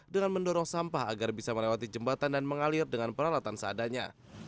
dengan mendorong sampah agar bisa melewati jembatan dan mengalir dengan peralatan seadanya